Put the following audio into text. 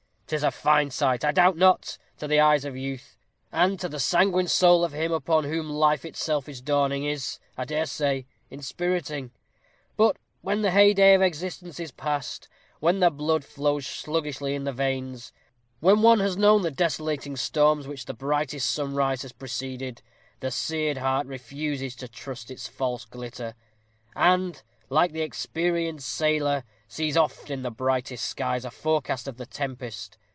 'Tis a fine sight, I doubt not, to the eyes of youth; and, to the sanguine soul of him upon whom life itself is dawning, is, I dare say, inspiriting: but when the heyday of existence is past; when the blood flows sluggishly in the veins; when one has known the desolating storms which the brightest sunrise has preceded, the seared heart refuses to trust its false glitter; and, like the experienced sailor, sees oft in the brightest skies a forecast of the tempest.